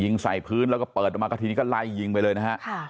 ใส่พื้นแล้วก็เปิดออกมาก็ทีนี้ก็ไล่ยิงไปเลยนะฮะ